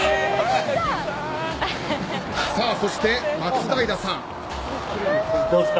そして、松平さん。